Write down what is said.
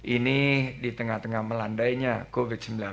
ini di tengah tengah melandainya covid sembilan belas